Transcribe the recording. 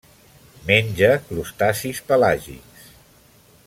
Menja crustacis pelàgics.